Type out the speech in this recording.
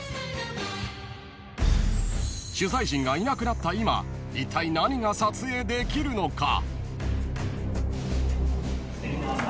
［取材陣がいなくなった今いったい何が撮影できるのか？］